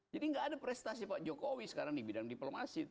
jadi gak ada prestasi pak jokowi sekarang di bidang diplomasi